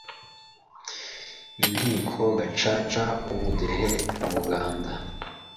Inkiko Gacaca, Ubudehe, Umuganda,